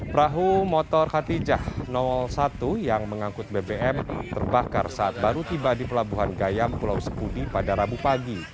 perahu motor khatijah satu yang mengangkut bbm terbakar saat baru tiba di pelabuhan gayam pulau sepudi pada rabu pagi